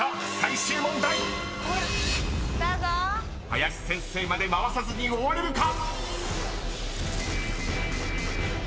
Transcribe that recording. ［林先生まで回さずに終われるか⁉］